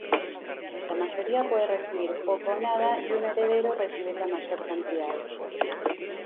La mayoría puede recibir poco o nada y un heredero recibir la mayor cantidad.